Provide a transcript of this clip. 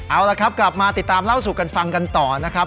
เอาละครับกลับมาติดตามเล่าสู่กันฟังกันต่อนะครับ